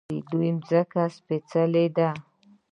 د دوی ځمکه سپیڅلې ده.